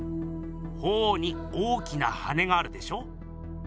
鳳凰に大きな羽があるでしょ？